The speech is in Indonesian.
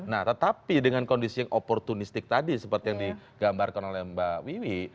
nah tetapi dengan kondisi yang opportunistik tadi seperti yang digambarkan oleh mbak wiwi